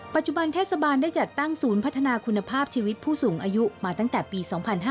ปัจจุบันเทศบาลได้จัดตั้งศูนย์พัฒนาคุณภาพชีวิตผู้สูงอายุมาตั้งแต่ปี๒๕๕๙